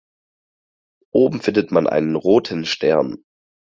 Oben findet man einen roten Stern.